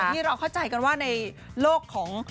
เราเข้าใจกันว่าในโลกของ